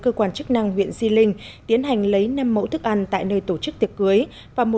cơ quan chức năng huyện di linh tiến hành lấy năm mẫu thức ăn tại nơi tổ chức tiệc cưới và mẫu